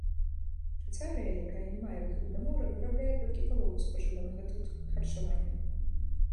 Швейцарыя, якая не мае выхаду да мора, вырабляе толькі палову спажыванага тут харчавання.